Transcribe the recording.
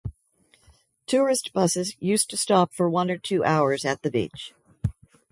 Tourist busses used to stop for one or two hours at the beach.